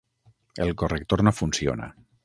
El corrector no funciona.